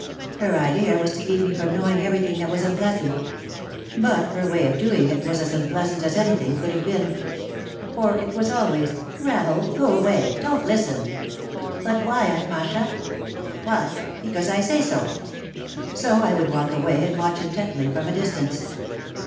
Her idea was to keep me from know ing everything that was unpleasant. But her way of do ing it was as unpleasant as anything could have been. For it was always, "Rahel, go away, don't listen I" "But why, Aunt Masha?" "Why? Because I say so!" So I would walk away and watch intently from a distance.